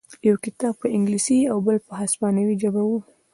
یو کتاب په انګلیسي او بل په هسپانوي ژبه و